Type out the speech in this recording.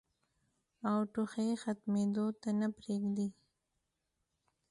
او ټوخی ختمېدو ته نۀ پرېږدي